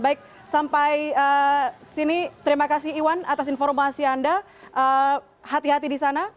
baik sampai sini terima kasih iwan atas informasi anda hati hati di sana